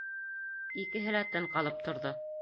Икеһе лә тын ҡалып торҙо.